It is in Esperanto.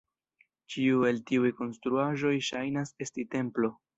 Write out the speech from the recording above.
Ĉiu el tiuj konstruaĵoj ŝajnas esti templo.